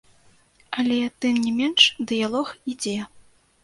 Але, тым не менш, дыялог ідзе.